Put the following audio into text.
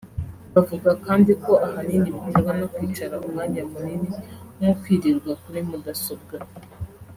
bavuga kandi ko ahanini biterwa no kwicara umwanya munini nko kwirirwa kuri mudasobwa